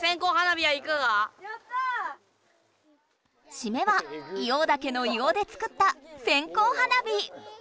しめは硫黄岳の硫黄で作った線こう花火！